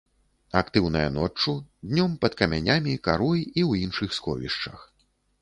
Актыўная ноччу, днём пад камянямі, карой і ў іншых сховішчах.